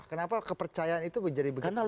kenapa kepercayaan itu menjadi begitu